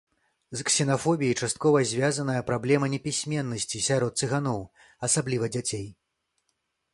З ксенафобіяй часткова звязаная праблема непісьменнасці сярод цыганоў, асабліва дзяцей.